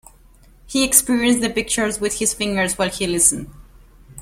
He experienced the pictures with his fingers while he listened.